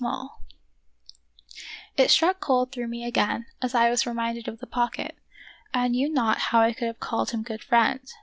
12 The Wonderful History It struck cold through me again as I was re minded of the pocket. I knew not how I could have called him good friend.